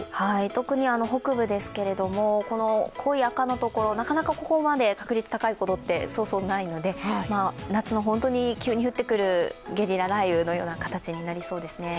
特に北部ですけれども、濃い赤のところ、なかなかここまで確率高いことって、そうそうないので、夏の本当に急に降ってくるゲリラ豪雨のような形になりそうですね。